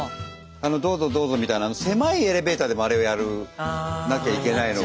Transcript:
あの「どうぞどうぞ」みたいなあの狭いエレベーターでもあれをやらなきゃいけないのが。